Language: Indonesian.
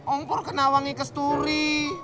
ompur kena wangi kesturi